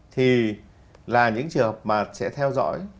thì là những trường hợp mà sẽ theo dõi